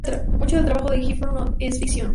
Mucho del trabajo de Gifford es no ficción.